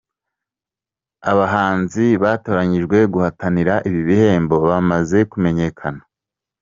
Abahanzi batoranyijwe guhatanira ibi bihembo bamaze kumenyekana.